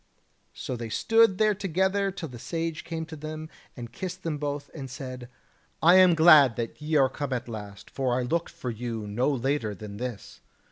So they stood there together till the Sage came up to them and kissed them both, and said: "I am glad that ye are come at last; for I looked for you no later than this.